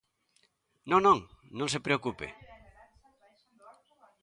Non, non; non se preocupe.